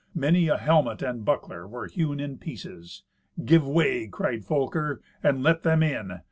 Many a helmet and buckler were hewn in pieces. "Give way," cried Folker, "and let them in.